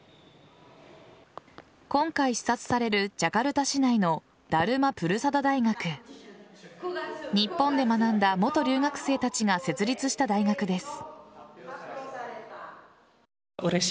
今回視察されるジャカルタ市内のダルマ・プルサダ大学日本で学んだ元留学生たちが設立した大学です。